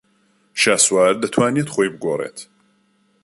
شاسوار دەتوانێت خۆی بگۆڕێت.